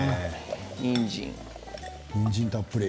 にんじんたっぷり。